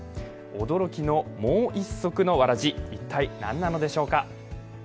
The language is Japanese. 驚きのもう一足のわらじ一体なんなのでしょうか。